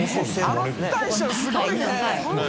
あの大将すごいな。